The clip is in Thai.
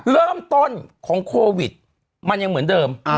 เริ่มต้นของโควิดมันยังเหมือนเดิม